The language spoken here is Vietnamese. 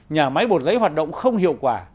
nhà máy bột giấy hoạt động không hiệu quả